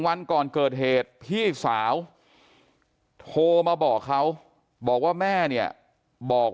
วันก่อนเกิดเหตุพี่สาวโทรมาบอกเขาบอกว่าแม่เนี่ยบอก